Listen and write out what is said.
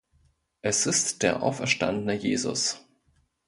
Es ist der auferstandene Jesus.